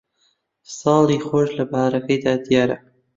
ساڵی خۆش لە بەھارەکەیدا دیارە